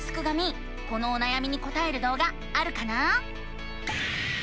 このおなやみにこたえるどう画あるかな？